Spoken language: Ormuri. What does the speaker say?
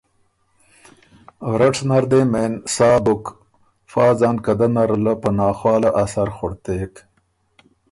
رټ نر دې مېن ساه بُک، فا ځانکدن نره له په ناخواله ا سر خُړتېک